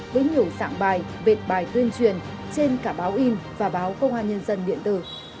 với nhiều dạng bài vệt bài tuyên truyền trên cả báo in và báo công an nhân dân điện tử